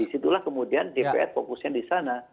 disitulah kemudian dpr fokusnya disana